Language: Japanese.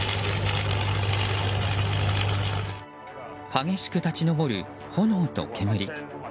激しく立ち上る炎と煙。